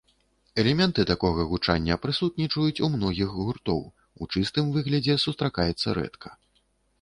Элементы такога гучання прысутнічаюць у многіх гуртоў, у чыстым выглядзе сустракаецца рэдка.